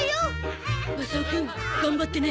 マサオくん頑張ってね。